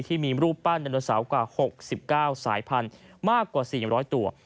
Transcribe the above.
ที่มีรูปปั้นไดโนเสาร์กว่า๖๙สายพันธุ์มากกว่า๔๐๐ตัว